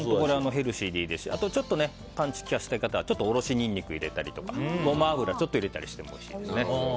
ヘルシーでいいですしあとパンチを利かせたい方はおろしニンニクとかゴマ油をちょっと入れたりしてもおいしいですね。